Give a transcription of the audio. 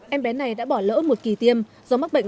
em bé này đã bỏ lỡ một kỳ tiêm do mắc bệnh